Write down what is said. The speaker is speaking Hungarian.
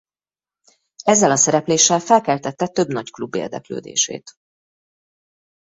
Ezzel a szerepléssel felkeltette több nagy klub érdeklődését.